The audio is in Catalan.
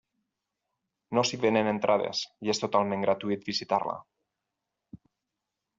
No s'hi venen entrades i és totalment gratuït visitar-la.